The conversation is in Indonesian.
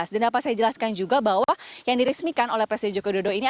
dan dapat saya jelaskan juga bahwa yang diresmikan oleh presiden jokowi ini